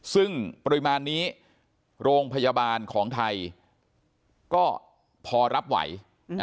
ซึ่งปริมาณนี้โรงพยาบาลของไทยก็พอรับไหว